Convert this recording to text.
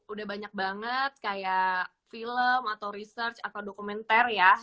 udah banyak banget kayak film atau research atau dokumenter ya